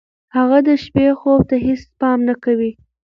هغه د شپې خوب ته هېڅ پام نه کوي.